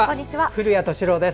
古谷敏郎です。